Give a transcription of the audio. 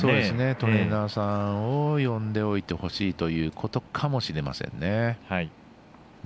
トレーナーさんを呼んでおいてほしいということかもしれませんね。